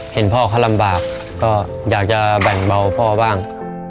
เห็นพ่อเขาลำบากก็อยากจะแบ่งเบาพ่อบ้าง